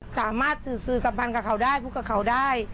สามารถสื่อสัมพันธ์กับเขาได้พูดกับเขาได้